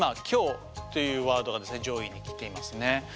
「今日」というワードが上位にきていますね。